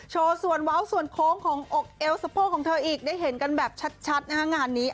โชว์ส่วนเว้าส่วนโค้งของอกเอวสะโพกของเธออีกได้เห็นกันแบบชัดนะฮะงานนี้